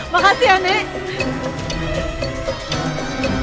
makasih ya nek